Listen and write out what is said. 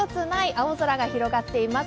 青空が広がっています